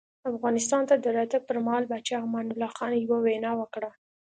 افغانستان ته د راتګ پر مهال پاچا امان الله خان یوه وینا وکړه.